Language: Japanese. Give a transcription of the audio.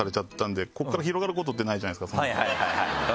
はいはいはい。